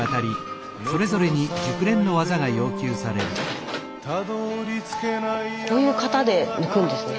スタジオこういう型で抜くんですね。